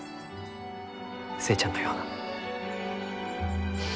寿恵ちゃんのような。